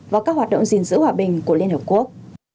và các hoạt động gìn giữ hòa bình của liên hợp quốc